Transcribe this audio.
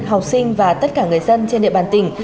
học sinh và tất cả người dân trên địa bàn tỉnh